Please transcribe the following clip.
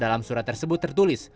dalam surat tersebut tertulis